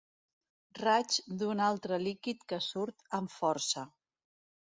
Raig d'un altre líquid que surt amb força.